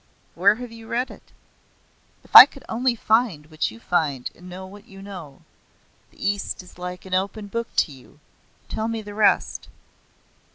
Where have you read it? If I could only find what you find and know what you know! The East is like an open book to you. Tell me the rest."